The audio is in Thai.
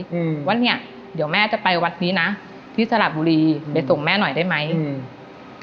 อืมว่าเนี้ยเดี๋ยวแม่จะไปวัดนี้นะที่สระบุรีไปส่งแม่หน่อยได้ไหมอืม